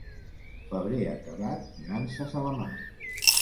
Febrer acabat, nanses a la mar.